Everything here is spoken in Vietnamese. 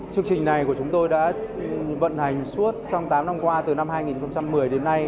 chương trình này của chúng tôi đã vận hành suốt trong tám năm qua từ năm hai nghìn một mươi đến nay